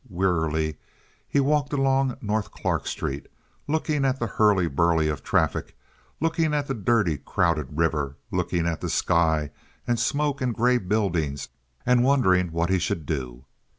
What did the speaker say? Wearily he walked along North Clark Street, looking at the hurly burly of traffic, looking at the dirty, crowded river, looking at the sky and smoke and gray buildings, and wondering what he should do.